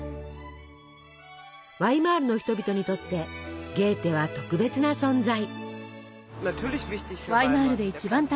ワイマールの人々にとってゲーテは特別な存在。